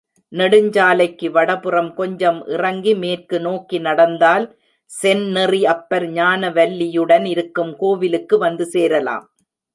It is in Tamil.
நெடுஞ்சாலைக்கு வடபுறம் கொஞ்சம் இறங்கி மேற்கு நோக்கி நடந்தால் செந்நெறி அப்பர் ஞானவல்லியுடன் இருக்கும் கோவிலுக்கு வந்து சேரலாம்.